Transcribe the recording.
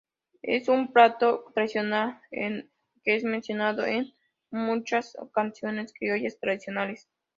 Es un plato tradicional que es mencionado en muchas canciones criollas tradicionales.